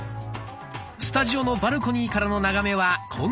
スタジオのバルコニーからの眺めはこんな感じ。